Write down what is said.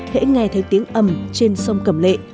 hãy nghe thấy tiếng ấm trên sông cầm lệ